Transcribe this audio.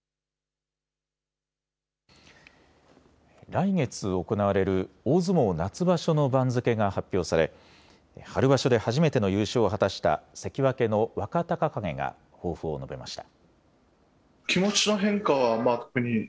来月行われる大相撲夏場所の番付が発表され春場所で初めての優勝を果たした関脇の若隆景が抱負を述べました。